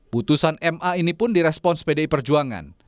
putusan ma ini pun direspons pdi perjuangan